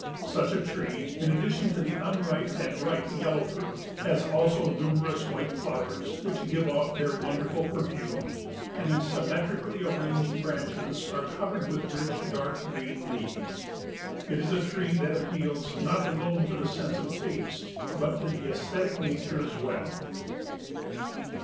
Such a tree, in addition to the unripe and ripe yellow fruit has also numerous white flowers, which give off their wonderful perfume, and its symmetrically arranged branches are covered with rich dark green leaves. It is a tree that appeals not alone to the sense of taste but to the esthetic nature as well.